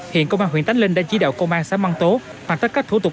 hiện công an huyện tánh linh đã chỉ đạo công an xã măng tố hoàn tất các thủ tục